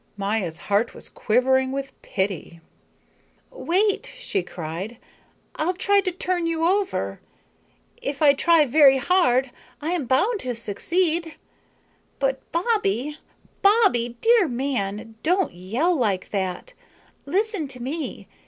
Maya's heart was quivering with pity. "Wait," she cried, "I'll try to turn you over. If I try very hard I am bound to succeed. But Bobbie, Bobbie, dear man, don't yell like that. Listen to me.